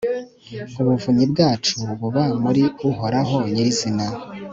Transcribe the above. ubuvunyi bwacu buba muri uhoraho nyirizina